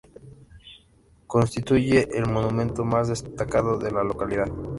Constituye el monumento más destacado de la localidad.